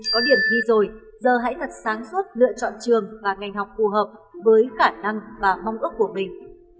có điểm thi rồi giờ hãy thật sáng suốt lựa chọn trường và ngành học phù hợp với khả năng và mong ước của mình